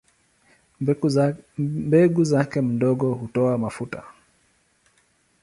Mbegu zake ndogo hutoa mafuta.